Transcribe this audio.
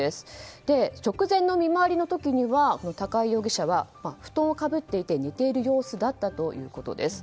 直前の見回りの時には高井容疑者は布団をかぶっていて寝ている様子だったということです。